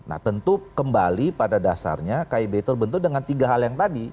nah tentu kembali pada dasarnya kib terbentuk dengan tiga hal yang tadi